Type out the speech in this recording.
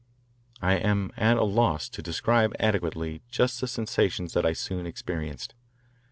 I am at a loss to describe adequately just the sensations that I soon experienced.